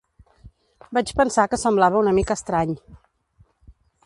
Vaig pensar que semblava una mica estrany.